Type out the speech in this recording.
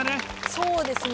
そうですね